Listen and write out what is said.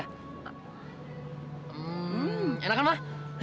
hmm enak kan mah